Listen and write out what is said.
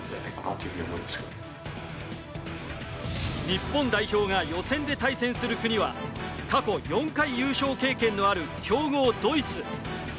日本代表が予選で対戦する国は過去４回優勝経験のある強豪ドイツ。